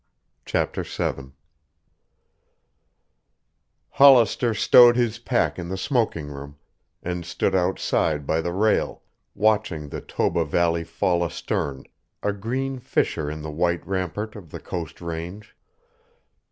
CHAPTER VII Hollister stowed his pack in the smoking room and stood outside by the rail, watching the Toba Valley fall astern, a green fissure in the white rampart of the Coast Range.